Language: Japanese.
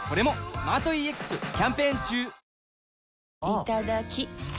いただきっ！